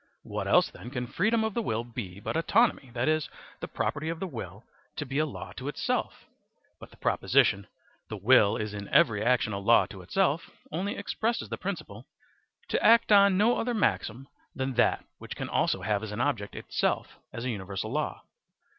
What else then can freedom of the will be but autonomy, that is, the property of the will to be a law to itself? But the proposition: "The will is in every action a law to itself," only expresses the principle: "To act on no other maxim than that which can also have as an object itself as a universal law."